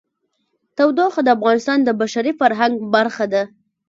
تودوخه د افغانستان د بشري فرهنګ برخه ده.